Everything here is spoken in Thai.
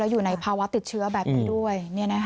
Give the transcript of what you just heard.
อยู่ในภาวะติดเชื้อแบบนี้ด้วย